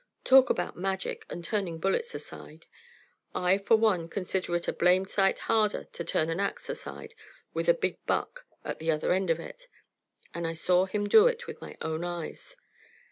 Talk about magic and turning bullets aside I, for one, consider it a blamed sight harder to turn an ax aside with a big buck at the other end of it. And I saw him do it with my own eyes.